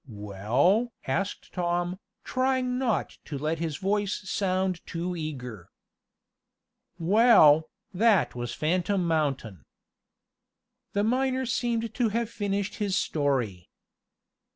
"Well?" asked Tom, trying not to let his voice sound too eager. "Well, that was Phantom Mountain." The miner seemed to have finished his story.